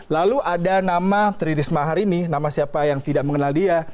lalu ada nama trirismahar ini nama siapa yang tidak mengenal dia